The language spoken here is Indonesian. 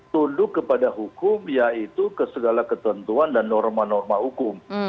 tunduk kepada hukum yaitu ke segala ketentuan dan norma norma hukum